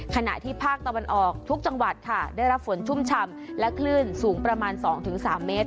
ขณะที่ภาคตะวันออกทุกจังหวัดค่ะได้รับฝนชุ่มชำและคลื่นสูงประมาณ๒๓เมตร